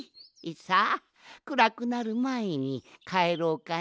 さあくらくなるまえにかえろうかの。